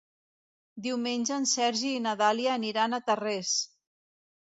Diumenge en Sergi i na Dàlia aniran a Tarrés.